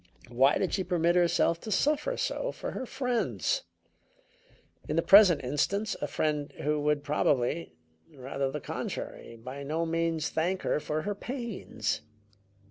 Why did she permit herself to suffer so for her friends; in the present instance, a friend who would probably rather the contrary by no means thank her for her pains?